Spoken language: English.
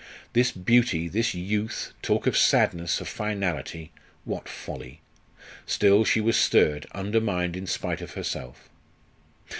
This beauty, this youth, talk of sadness, of finality! What folly! Still, she was stirred, undermined in spite of herself.